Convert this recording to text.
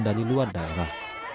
dari luar daerah